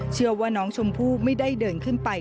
เชื่อว่าน้องชมพู่ไม่ได้เดินขึ้นไป